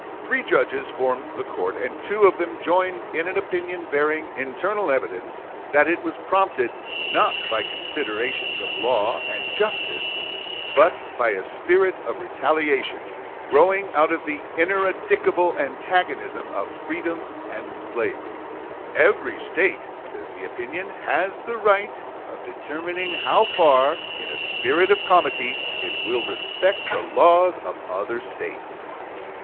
Three judges formed the court, and two of them joined in an opinion bearing internal evidence that it was prompted, not by considerations of law and justice, but by a spirit of retaliation growing out of the ineradicable antagonism of freedom and slavery. Scott, J., 15 Mo. Reports, pp. 582 6. Every State [says the opinion] has the right of determining how far, in a spirit of comity, it will respect the laws of other States.